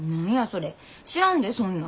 知らんでそんなん。